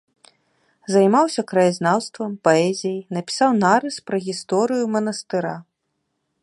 Займаўся краязнаўствам, паэзіяй, напісаў нарыс пра гісторыю манастыра.